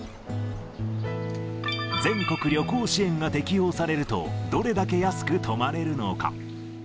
全国旅行支援が適用されると、どれだけ安く泊まれるのか。